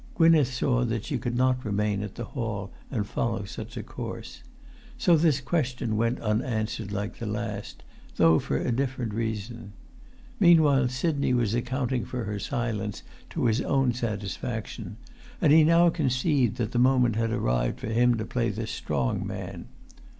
Gwynneth saw that she could not remain at the hall and follow such a course. So this question went unanswered like the last, though for a different reason. Meanwhile Sidney was accounting for her silence to his own satisfaction, and he now conceived that the moment had arrived for him to play the strong man.